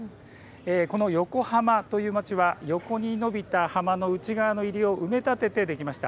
この横浜という街は横に延びた浜の内側を埋め立ててできました。